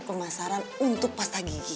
pemasaran untuk pasta gigi